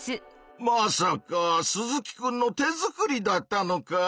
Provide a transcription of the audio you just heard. まさか鈴木くんの手作りだったのか。